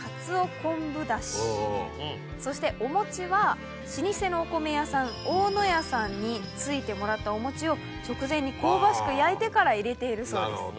そしてお餅は老舗のお米屋さん大野屋さんについてもらったお餅を直前に香ばしく焼いてから入れているそうです。